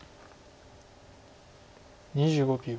２５秒。